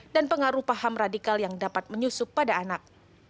dan pengaruh paham radikal yang dapat menyusup pada anak